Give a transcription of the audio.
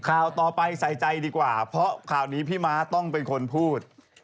ข่าวต่อไปใส่ใจดีกว่าเพราะข่าวนี้พี่ม้าต้องเป็นคนพูด